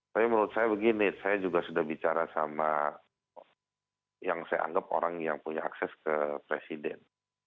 tapi menurut saya begini saya juga sudah bicara sama yang saya anggap orang yang punya akses ke presiden